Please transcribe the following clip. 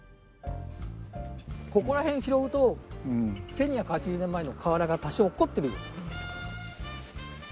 ここら辺拾うと１２８０年前の瓦が多少落っこってる。